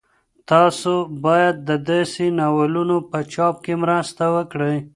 تاسو باید د داسې ناولونو په چاپ کې مرسته وکړئ.